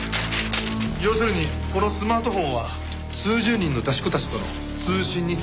要するにこのスマートフォンは数十人の出し子たちとの通信に使われていたと？